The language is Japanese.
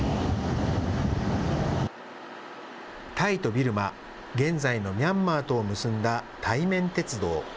タイとビルマ、現在のミャンマーとを結んだ泰緬鉄道。